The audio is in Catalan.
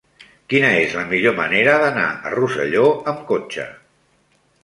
Quina és la millor manera d'anar a Rosselló amb cotxe?